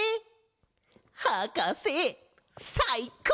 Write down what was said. はかせさいこう！